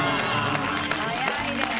早いです！